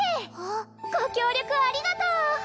ご協力ありがとう！